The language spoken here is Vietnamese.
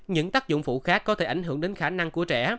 những tác dụng phụ khác có thể ảnh hưởng đến khả năng của trẻ